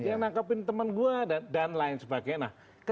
dia nangkepin temen gue dan lain sebagainya